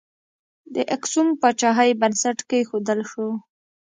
د اکسوم پاچاهۍ بنسټ کښودل شو.